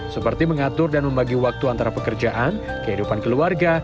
seperti mengatur dan membagi waktu antara pekerjaan kehidupan keluarga